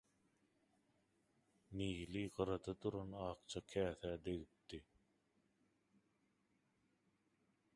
nili gyrada duran akja käsä degipdi.